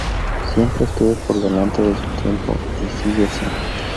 Siempre estuvo por delante de su tiempo y sigue así.